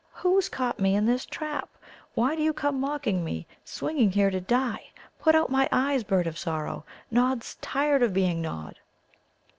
"Who's caught me in this trap? Why do you come mocking me, swinging here to die? Put out my eyes, Bird of Sorrow. Nod's tired of being Nod."